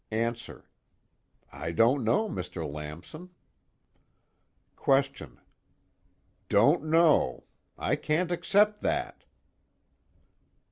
ANSWER: I don't know, Mr. Lamson. QUESTION: Don't know. I can't accept that.